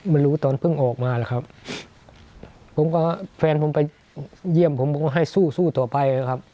ไม่รู้ตอนเพิ่งออกมาหรอกครับผมก็แฟนผมไปเยี่ยมผมผมก็ให้สู้สู้ต่อไปนะครับ